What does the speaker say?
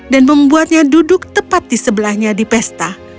dan membuatnya duduk tepat di sebelahnya di pesta